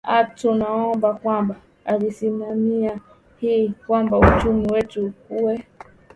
a tunaomba kwamba alisimamia hili kwamba uchumi wetu ukue